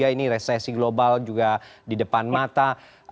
dua ribu dua puluh tiga ini resesi global juga di depan mata